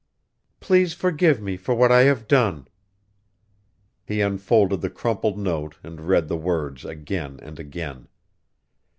"Please forgive me for what I have done " He unfolded the crumpled note and read the words again and again.